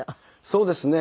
そうですね。